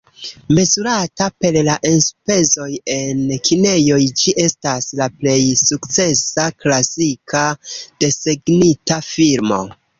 Mezurata per la enspezoj en kinejoj ĝi estas la plej sukcesa klasika desegnita filmo.